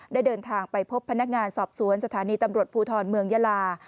เดินทางไปพบพนักงานสอบสวนสถานีตำรวจภูทรเมืองยาลา